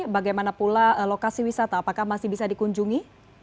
bagaimana pula lokasi wisata apakah masih bisa dikunjungi